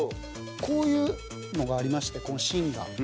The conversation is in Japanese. こういうのがありましてこの芯が。